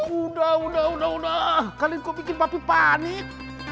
sudah sudah sudah kalian kok bikin papi panik